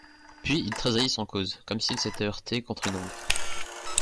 Puis, il tressaillit sans cause, comme s'il s'était heurté contre une ombre.